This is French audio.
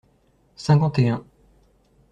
Cinquante et un.